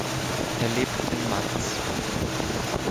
Er lebt in Mainz.